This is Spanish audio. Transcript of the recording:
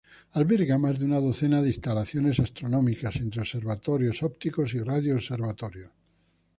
Alberga más de una docena de instalaciones astronómicas, entre observatorios ópticos y radio observatorios.